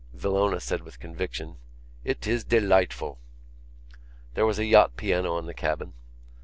Villona said with conviction: "It is delightful!" There was a yacht piano in the cabin.